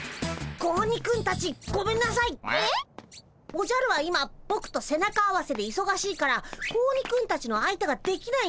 おじゃるは今ぼくと背中合わせでいそがしいから子鬼くんたちの相手ができないんだ。